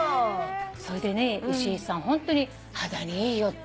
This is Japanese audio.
それでね石井さん「ホントに肌にいいよ。